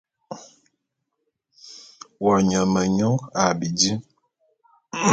Wo nye menyu a bidi.